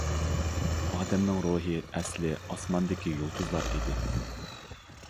ئادەمنىڭ روھى ئەسلى ئاسماندىكى يۇلتۇزلار ئىدى.